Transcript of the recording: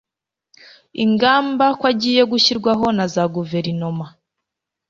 ingamba kwagiye gushyirwaho na za guverinoma